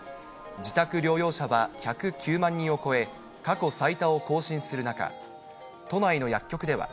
自宅療養者は１０９万人を超え、過去最多を更新する中、都内の薬局では。